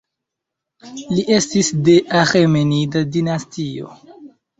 Li estis de Aĥemenida dinastio.